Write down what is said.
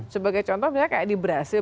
sebagai contoh misalnya kayak di brazil